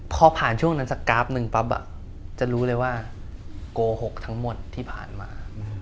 พอผ่านช่วงนั้นสักกราฟหนึ่งปั๊บจะรู้เลยว่าโกหกทั้งหมดที่ผ่านมา